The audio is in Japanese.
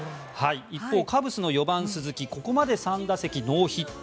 一方、カブスの４番鈴木ここまで３打席ノーヒット。